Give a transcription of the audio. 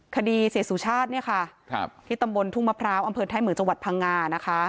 คดีเสสุชาติเนี้ยค่ะครับที่ตำบลทุ่งมะพร้าวอำเภิญไทยเหมือนจังหวัดพังงานะคะ